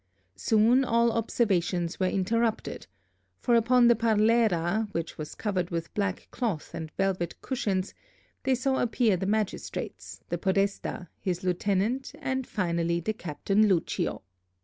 Soon all observations were interrupted, for upon the parlera, which was covered with black cloth and velvet cushions, they saw appear the magistrates, the podesta, his lieutenant, and finally the captain Lucio.